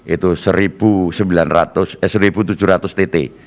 itu satu tujuh ratus tt